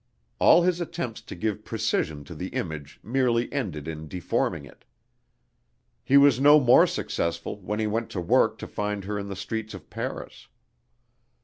All his attempts to give precision to the image merely ended in deforming it. He was no more successful when he went to work to find her in the streets of Paris.